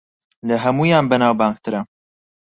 لە ھەموویان بەناوبانگترە